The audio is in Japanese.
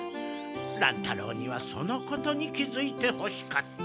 乱太郎にはそのことに気づいてほしかった。